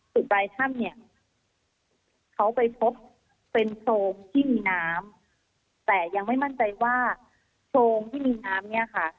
ปลายถ้ำเนี่ยเขาไปพบเป็นโพรงที่มีน้ำแต่ยังไม่มั่นใจว่าโพรงที่มีน้ำเนี่ยค่ะ